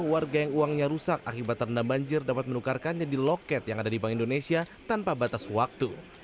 warga yang uangnya rusak akibat terendam banjir dapat menukarkannya di loket yang ada di bank indonesia tanpa batas waktu